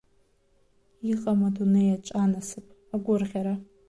Иҟам адунеиаҿ анасыԥ, агәырӷьара!